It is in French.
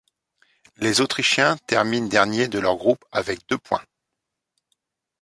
Les autrichiens terminent dernier de leur groupe avec deux points.